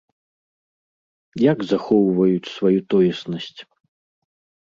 Як захоўваюць сваю тоеснасць?